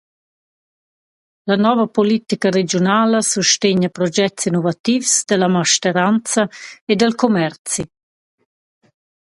La nouva politica regiunala sustegna progets innovativs da la mansteranza e dal commerzi.